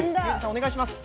お願いします。